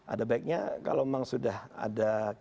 ada baiknya kalau memang sudah ada